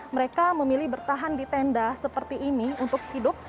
mereka memilih bertahan di tenda seperti ini untuk hidup